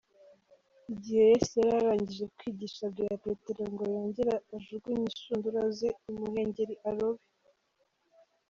Igihe Yesu yari arangije kwigisha, abwira Petero ngo yongere ajugunye inshundura ze imuhengeri arobe.